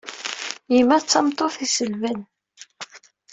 Yemma d tameṭṭut iselben.